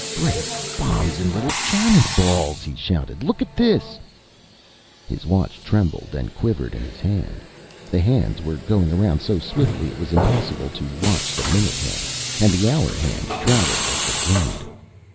"Great bombs and little cannon balls!" he shouted. "Look at this!" His watch trembled and quivered in his hand. The hands were going around so swiftly it was impossible to watch the minute hand, and the hour hand traveled like the wind.